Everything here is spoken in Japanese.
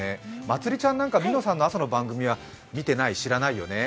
まつりちゃんなんか、みのさんの朝の番組は知らないよね？